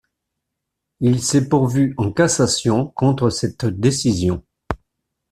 Il s'est pourvu en Cassation contre cette décision.